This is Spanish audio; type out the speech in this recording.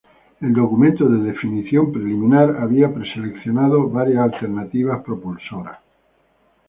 El documento de definición preliminar había preseleccionado varias alternativas propulsoras.